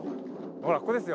ほらここですよ。